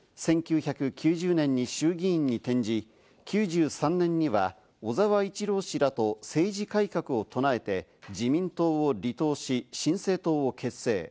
１９９０年に衆議院に転じ、９３年には小沢一郎氏らと政治改革を唱えて自民党を離党し、新生党を結成。